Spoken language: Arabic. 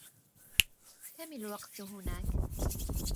كم الوقت هناك؟